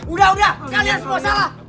udah udah kalian semua salah